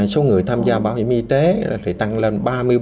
số người tham gia bảo hiểm y tế tăng lên ba mươi bốn hai mươi sáu